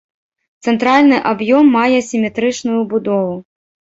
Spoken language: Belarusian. Цэнтральны аб'ём мае сіметрычную будову.